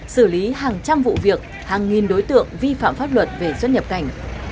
xử lý hàng trăm vụ việc hàng nghìn đối tượng vi phạm pháp luật về xuất nhập cảnh